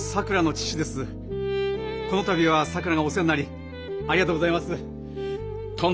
この度はさくらがお世話になりありがとうございます。